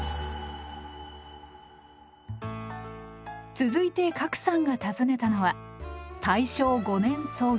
続いて加来さんが訪ねたのは大正５年創業